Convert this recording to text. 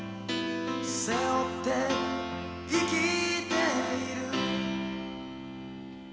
「背負って生きている」